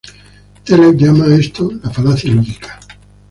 Taleb llama a esto la "falacia lúdica".